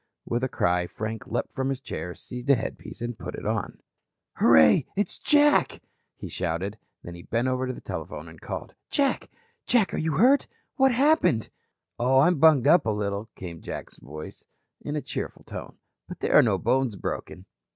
With a cry, Frank leaped from his chair, seized a headpiece and put it on. "Hurray, it's Jack," he shouted. Then he bent over to the telephone and called: "Jack. Jack. Are you hurt? What happened?" "Oh, I'm bunged up a little," came back Jack's voice, in a cheerful tone. "But there are no bones broken."